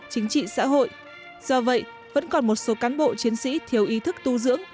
chính trị xã hội do vậy vẫn còn một số cán bộ chiến sĩ thiếu ý thức tu dưỡng